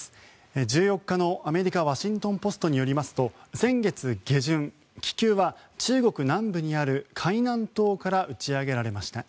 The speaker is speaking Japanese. １４日のアメリカワシントン・ポストによりますと先月下旬、気球は中国南部にある海南島から打ち上げられました。